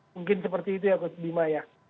mungkin seperti itu ya coach bima ya